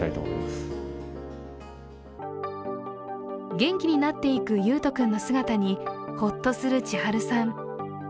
元気になっていく維斗君の姿にほっとする智春さん。